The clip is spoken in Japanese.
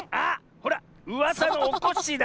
ほらうわさのおこっしぃだ！